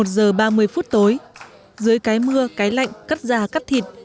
một mươi một giờ ba mươi phút tối dưới cái mưa cái lạnh cắt da cắt thịt